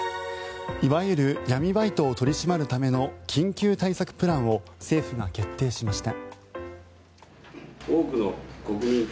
いわゆる闇バイトを取り締まるための緊急対策プランを政府が決定しました。